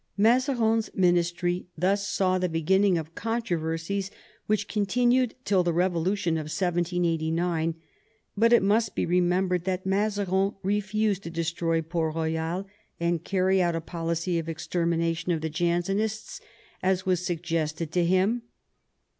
Mazarin's ministry thus saw the beginning of controversies which continued till the Re volution of 1789, but it must be remembered that Mazarin refused to destroy Port Royal and carry out a policy of extermination of the Jansenists, as was sug gested to him.